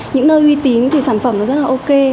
những nơi uy tín thì sản phẩm nó rất là ok